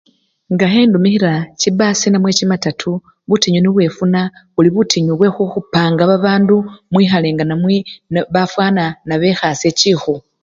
Nga khenumikhila chibasi namwe chimatatu, butinyu nibwo efuna buli butinyu bwekhukhupanga babandu mwikhale nge nemwi-bafwana nebekhashe chikhu.